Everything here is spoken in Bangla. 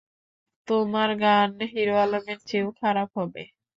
তোমার গান হিরো আলমের চেয়েও খারাপ হবে।